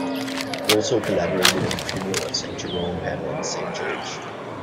He also collaborated in the "Funeral of Saint Jerome" panel in the same church.